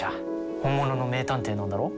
本物の名探偵なんだろ？